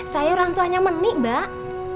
saya orang tuanya meni mbak